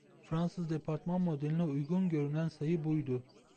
Fransız departman modeline uygun görünen sayı buydu.